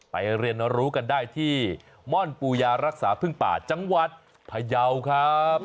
เรียนรู้กันได้ที่ม่อนปูยารักษาพึ่งป่าจังหวัดพยาวครับ